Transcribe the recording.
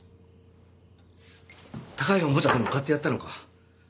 高いオモチャでも買ってやったのか？